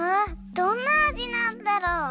どんなあじなんだろう？